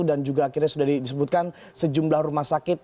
dan juga akhirnya sudah disebutkan sejumlah rumah sakit